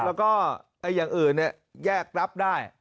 แล้วก็อย่างอื่นแยกรับได้